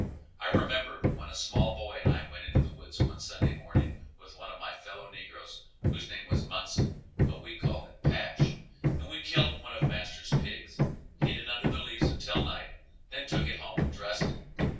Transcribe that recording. I remember when a small boy I went into the woods one Sunday morning with one of my fellow negroes whose name was Munson, but we called him Pash, and we killed one of master's pigs, hid it under the leaves until night, then took it home and dressed it.